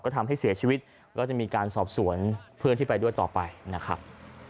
ทำให้เสียชีวิตก็จะมีการสอบสวนเพื่อนที่ไปด้วยต่อไปนะครับ